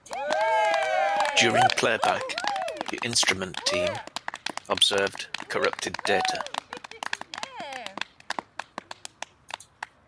During playback the instrument team observed corrupted data.